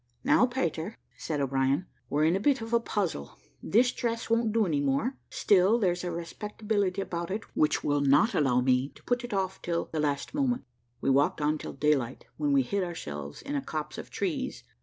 "Now, Peter," said O'Brien, "we're in a bit of a puzzle. This dress won't do any more, still there's a respectability about it which will not allow me to put it off till the last moment." We walked on till daylight, when we hid ourselves in a copse of trees.